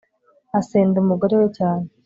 asenda umugore we cyane